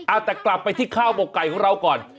เอาแต่กลับไปที่ข้าวหมกไก่ของเราก่อน